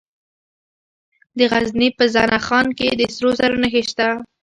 د غزني په زنه خان کې د سرو زرو نښې شته.